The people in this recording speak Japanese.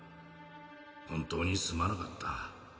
本当にすまなかった。